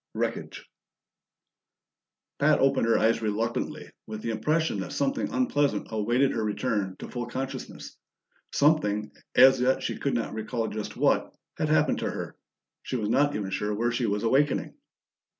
11 Wreckage Pat opened her eyes reluctantly, with the impression that something unpleasant awaited her return to full consciousness. Something, as yet she could not recall just what, had happened to her; she was not even sure where she was awakening.